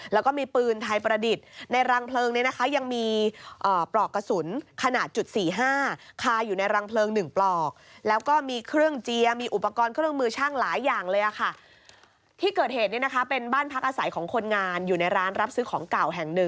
แล้วก็มีปืนท้ายประดิษฐ์